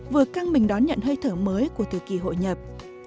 vừa căng mình đón nhận hơi thở mới của thời kỳ hội nhập